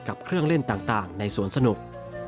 กับเครื่องเล่นต่างในสวนสนุก